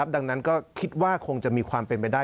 ดังนั้นก็คิดว่าคงจะมีความเป็นไปได้